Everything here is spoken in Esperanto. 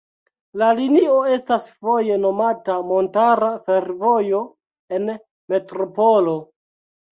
La linio estas foje nomata Montara Fervojo en Metropolo.